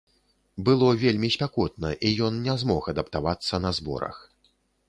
Было вельмі спякотна, і ён не змог адаптавацца на зборах.